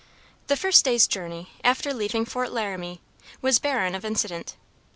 The first day's journey, after leaving Fort Laramie, was barren of incident.